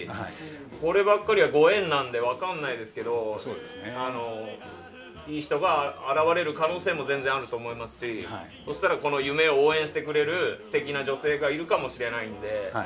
こればっかりはご縁なので分からないですけどいい人が現れる可能性も全然あると思いますし夢を応援してくれる素敵な女性がいるかもしれないので。